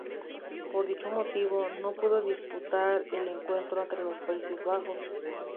Por dicho motivo, no pudo disputar el encuentro ante los Países Bajos.